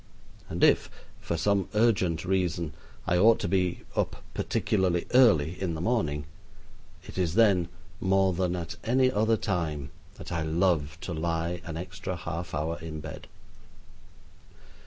And if, for some urgent reason, I ought to be up particularly early in the morning, it is then, more than at any other time, that I love to lie an extra half hour in bed.